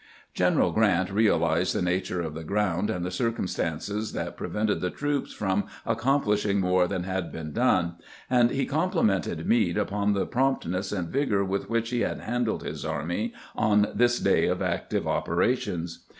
General Grant realized the nature of the ground and the circumstances that prevented the troops from ac complishing more than had been done, and he compli mented Meade upon the promptness and vigor with which he had handled his army on this day of active operations.